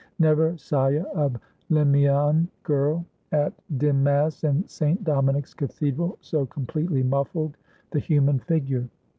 Never Saya of Limeean girl, at dim mass in St. Dominic's cathedral, so completely muffled the human figure.